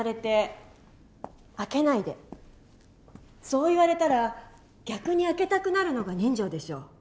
そう言われたら逆に開けたくなるのが人情でしょう。